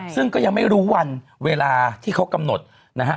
ซึ่งก็ยังไม่รู้วันเวลาที่เขากำหนดนะฮะ